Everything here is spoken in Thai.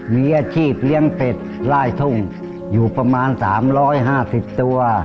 มีอาชีพเลี้ยงเป็ดไล่ทุ่งอยู่ประมาณ๓๕๐ตัว